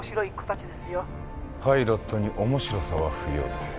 パイロットに面白さは不要です。